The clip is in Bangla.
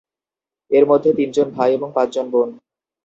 এর মধ্যে তিনজন ভাই এবং পাঁচ জন বোন।